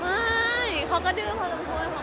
แล้วเดี๋ยวเทมเพาเราจะเข้าสงรมเลยหรือเปล่า